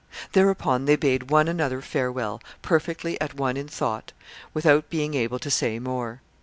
Thereupon they bade one another farewell, perfectly at one in thought, without being able to say more.